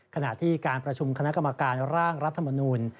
ขณะที่การประชุมคณะกรรมการร่างรัฐมนูล